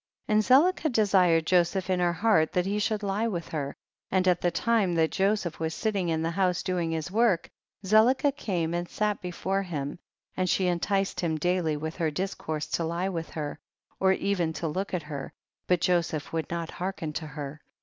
2 3. And Zelicah desired Joseph in her heart, that he should lie with her, and at tiie time that Joseph was sitting in the house doing his work, Zelicah came and sat before him, and she enticed him daily with her discourse to lie with her, or even to look at her, but Joseph would not hearken to her.